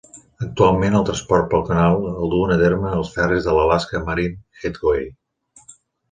Actualment, el transport pel canal el duen a terme els ferris de l'Alaska Marine Highway.